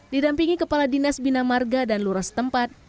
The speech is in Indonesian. didampingi kepala dinas bina marga dan lura setempat